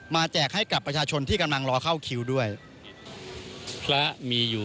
มาแจกให้กับประชาชนที่กำลังรอเข้าคิวด้วย